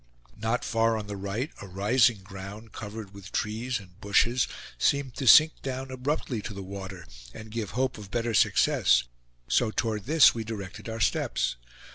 Not far on the right, a rising ground, covered with trees and bushes, seemed to sink down abruptly to the water, and give hope of better success; so toward this we directed our steps.